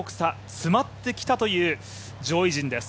詰まってきたという上位陣です。